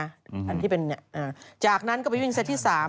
อันที่เป็นจากนั้นก็ไปวิ่งเซตที่๓